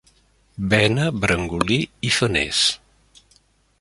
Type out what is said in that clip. Bena, Brangolí i Feners.